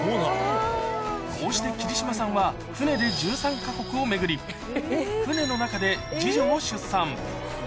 こうして桐島さんは、船で１３か国を巡り、船の中で次女を出産。